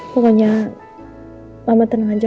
pokoknya mama tenang aja